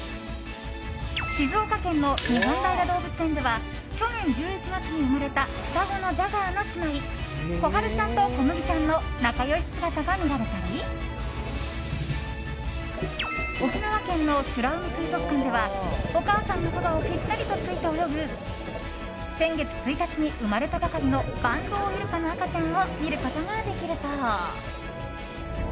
静岡県の日本平動物園では去年１１月に生まれた双子のジャガーの姉妹小春ちゃんと小麦ちゃんの仲良し姿が見られたり沖縄県の美ら海水族館ではお母さんのそばをぴったりとついて泳ぐ先月１日に生まれたばかりのバンドウイルカの赤ちゃんを見ることができるそう。